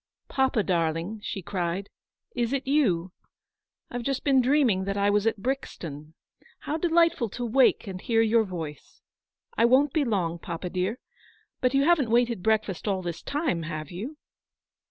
" Papa, darling," she cried, " is it you ? I've just been dreaming that I was at Brixton. How delightful to wake and hear your voice. I won't be long, papa dear. But you haven't waited breakfast all this time, have vou